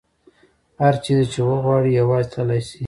هر چیرې چې وغواړي یوازې تللې شي.